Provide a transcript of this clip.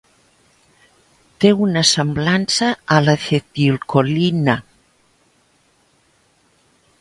Té una semblança a l'acetilcolina.